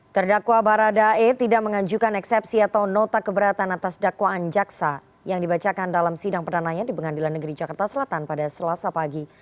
terdakwa baradae tidak mengajukan eksepsi atau nota keberatan atas dakwaan jaksa yang dibacakan dalam sidang perdananya di pengadilan negeri jakarta selatan pada selasa pagi